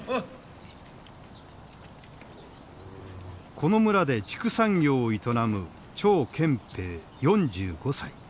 この村で畜産業を営む張建平４５歳。